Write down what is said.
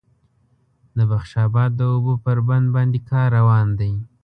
د بخش آباد د اوبو پر بند باندې کار روان دی